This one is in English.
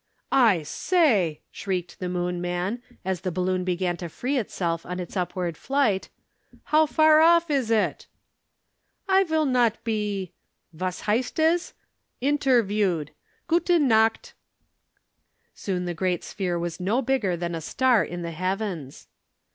"I say!" shrieked the Moon man, as the balloon began to free itself on its upward flight, "How far off is it?" "I vill not be was heist es? interviewed. Guten nacht." Soon the great sphere was no bigger than a star in the heavens.